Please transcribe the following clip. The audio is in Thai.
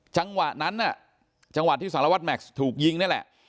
จังหวะนั้นน่ะจังหวะที่สารวัตรแม็กซ์ถูกยิงนี่แหละ